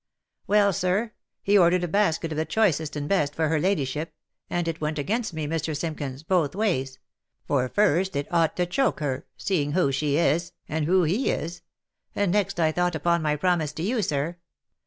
Well, sir, he ordered a basket of the choicest and best for her ladyship, and it went against me, Mr. Simkins, both ways — for first it ought to choke her, seeing who she is, and who he is, and next I thought upon my promise to you, sir.